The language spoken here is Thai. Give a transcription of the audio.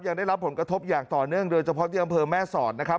ยังได้รับผลกระทบอย่างต่อเนื่องโดยเฉพาะที่อำเภอแม่สอดนะครับ